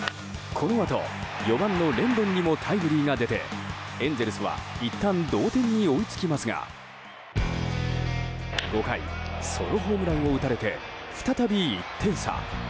このあと４番のレンドンにもタイムリーが出てエンゼルスはいったん同点に追いつきますが５回、ソロホームランを打たれて再び１点差。